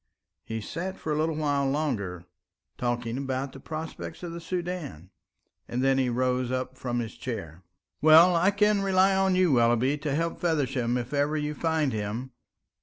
He sat for a while longer talking about the prospects of the Soudan, and then rose up from his chair. "Well, I can rely on you, Willoughby, to help Feversham if ever you find him.